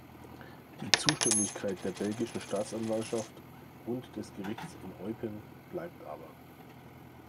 Die Zuständigkeit der belgischen Staatsanwaltschaft und des Gerichts in Eupen bleibt aber.